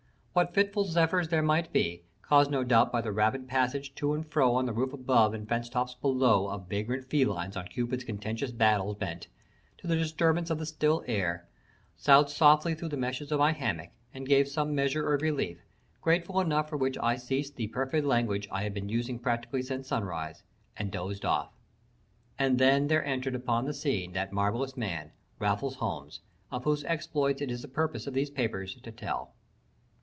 What fitful zephyrs there might be, caused no doubt by the rapid passage to and fro on the roof above and fence tops below of vagrant felines on Cupid's contentious battles bent, to the disturbance of the still air, soughed softly through the meshes of my hammock and gave some measure of relief, grateful enough for which I ceased the perfervid language I had been using practically since sunrise, and dozed off. And then there entered upon the scene that marvelous man, Raffles Holmes, of whose exploits it is the purpose of these papers to tell.